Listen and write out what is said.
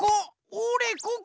おれここ！